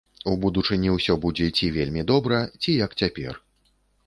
У будучыні ўсё будзе ці вельмі добра, ці як цяпер.